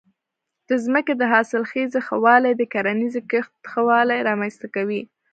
د ځمکې د حاصلخېزۍ ښه والی د کرنیزې کښت ښه والی رامنځته کوي.